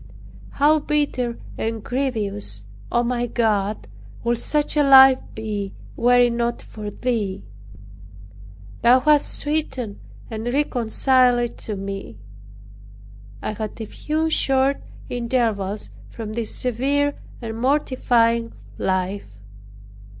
"How bitter and grievous, O my God, would such a life be were it not for Thee! Thou hast sweetened and reconciled it to me." I had a few short intervals from this severe and mortifying life.